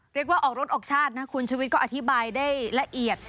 ออกรถออกชาตินะคุณชุวิตก็อธิบายได้ละเอียด